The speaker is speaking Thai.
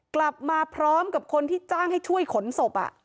กลับมาพร้อมกับคนที่จ้างให้ช่วยขนศพ